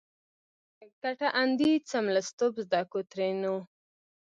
کټه اندي څملستوب زده کو؛ ترينو